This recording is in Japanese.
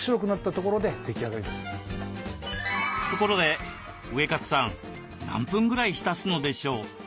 ところでウエカツさん何分ぐらい浸すのでしょう？